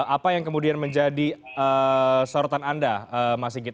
apa yang kemudian menjadi sorotan anda mas sigit